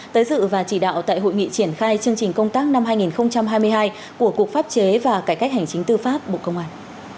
tới dự và chỉ đạo tại hội nghị triển khai chương trình công tác năm hai nghìn hai mươi hai của cục pháp chế và cải cách hành chính tư pháp bộ công an